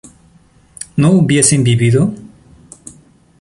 ¿no hubiesen vivido?